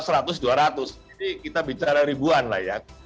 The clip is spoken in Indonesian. ini kita bicara ribuan lah ya